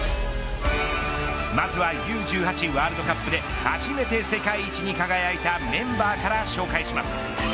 まずはＵ−１８ワールドカップで初めて世界一に輝いたメンバーから紹介します。